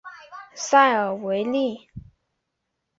塞尔维利。